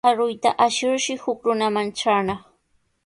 Aruyta ashirshi huk runaman traanaq.